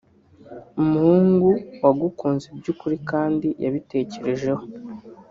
Umuhungu wagukunze by’ukuri kandi yabitekerejeho